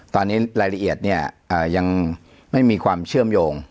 ตอนนี้รายละเอียดเนี่ยยังไม่มีความเชื่อมโยง